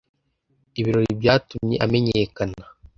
Ibirori byatumye amenyekana.